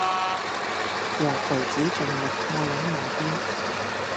和桃子盡力靠攏那邊